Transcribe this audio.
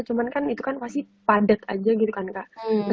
cuma itu kan pasti padat aja gitu kan kak